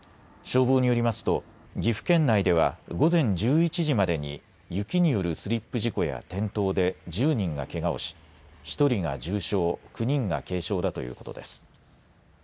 消防によりますと岐阜県内では午前１１時までに、雪によるスリップ事故や転倒で１０人がけがをし１人が重傷、９人が軽傷だということです。